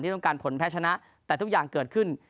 ต้องการผลแพ้ชนะแต่ทุกอย่างเกิดขึ้น